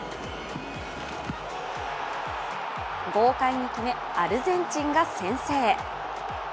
豪快に決め、アルゼンチンが先制。